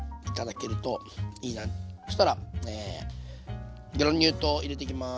そしたらグラニュー糖入れていきます。